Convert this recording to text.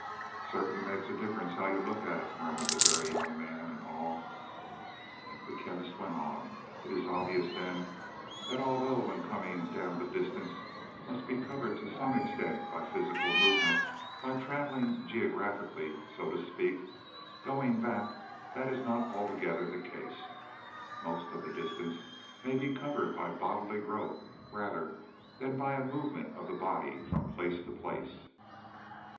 "Certainly makes a difference how you look at it," murmured the Very Young Man in awe. The Chemist went on. "It is obvious then, that although when coming down the distance must be covered to some extent by physical movement by traveling geographically, so to speak going back, that is not altogether the case. Most of the distance may be covered by bodily growth, rather than by a movement of the body from place to place."